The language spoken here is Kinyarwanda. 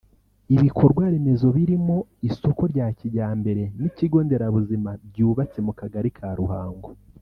Ibikorwaremezo birimo isoko rya kijyambere n’ikigo Nderabuzima byubatse mu Kagari ka Ruhango